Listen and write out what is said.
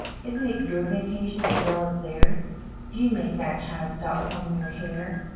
"Isn't it your vacation as well as theirs? Do make that child stop pulling your hair!"